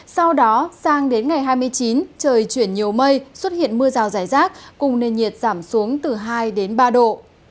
sau đó sang đến ngày hai mươi chín trời chuyển nhiều mây xuất hiện mưa rào rải rác cùng nền nhiệt giảm xuống từ hai đến ba độ